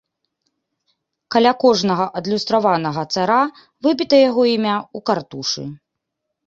Каля кожнага адлюстраванага цара выбіта яго імя ў картушы.